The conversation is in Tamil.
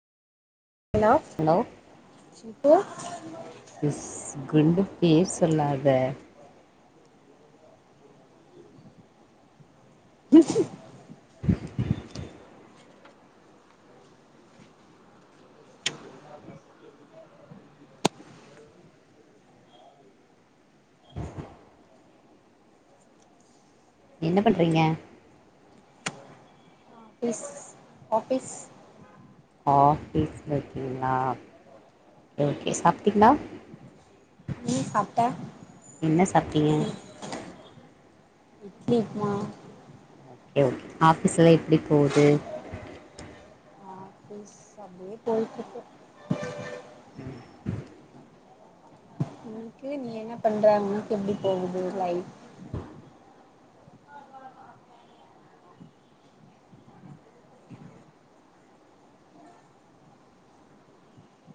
ஹலோ ஹலோ மிஸ் குண்டு பேர் சொல்லாத என்ன பண்றிங்க ஆஃபீஸ் ஆஃபீஸ் ஆஃபீஸ்ல இருக்கிங்ளா ஓகே சாப்ட்டிங்ளா நீ சாப்ட்ட என்ன சாப்ட்டிங்க இட்லி உப்மா ஓகே ஓகே ஆஃபீஸ்லா எப்படி போகுது ஆஃபீஸ் அப்டியே போய்ட்ருக்கு ம் உனக்கு நீ என்ன பண்ற உனுக்கு எப்படி போகுது லைஃப்